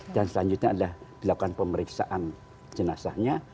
dan selanjutnya adalah dilakukan pemeriksaan jenazahnya